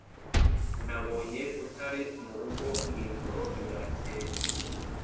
Nabonye utari murugo mwijoro ryakeye.